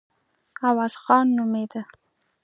عوض خان نومېده.